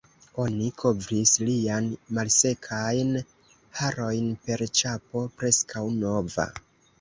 Oni kovris liajn malsekajn harojn per ĉapo preskaŭ nova.